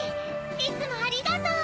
いつもありがとう！